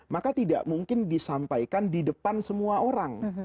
maka tidak mungkin disampaikan di depan semua orang